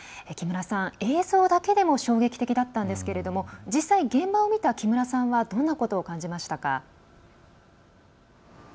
木村さん、映像だけでも衝撃的だったんですけれども実際、現場を見た木村さんはどんなことを感じましたか？